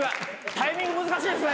タイミング難しいですね。